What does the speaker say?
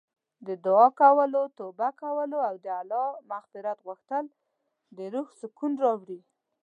د دعا کولو، توبه کولو او د الله مغفرت غوښتل د روح سکون راوړي.